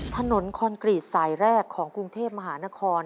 คอนกรีตสายแรกของกรุงเทพมหานคร